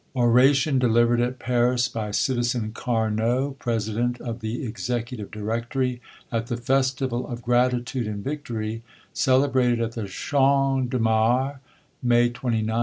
Oration delivered at Paris by CiJizen Car NOT, President of the Executive Directory, i AT the Festival of Gratitude and Victory, ' celebrated *at the Champ de Maks, May 29, 1796.